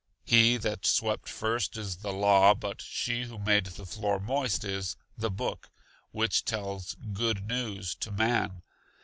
He that swept first is the Law, but she who made the floor moist is The Book which tells Good News to Man.